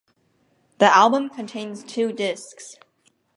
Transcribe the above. The album contains two discs.